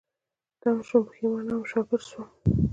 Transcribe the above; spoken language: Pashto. تم شوم، پيښمانه وم، شاګرځ شوم